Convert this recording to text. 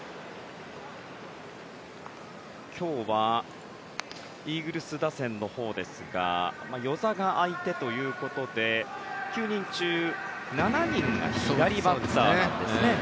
今日はイーグルス打線のほうですが與座が相手ということで９人中７人が左バッターなんですね。